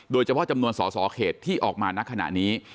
โดยเฉพาะจำนวนสอสอเขตที่ออกมาณขณะนี้